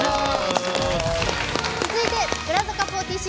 続いて櫻坂４６。